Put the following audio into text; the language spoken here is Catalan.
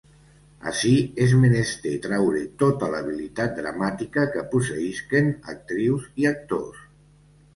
Ací és menester traure tota l'habilitat dramàtica que posseïsquen actrius i actors.